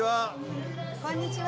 こんにちは。